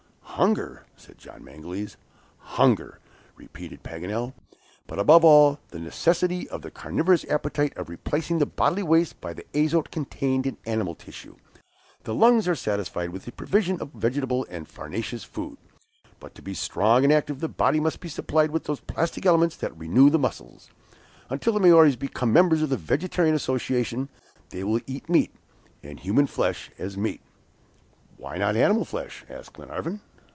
"Hunger?" said John Mangles. "Hunger!" repeated Paganel; "but, above all, the necessity of the carnivorous appetite of replacing the bodily waste, by the azote contained in animal tissues. The lungs are satisfied with a provision of vegetable and farinaceous food. But to be strong and active the body must be supplied with those plastic elements that renew the muscles. Until the Maories become members of the Vegetarian Association they will eat meat, and human flesh as meat." "Why not animal flesh?" asked Glenarvan.